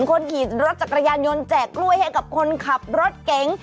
คนขี่รถจักรยานยนต์แจกกล้วยให้กับคนขับรถเก๋ง